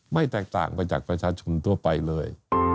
แตกต่างไปจากประชาชนทั่วไปเลย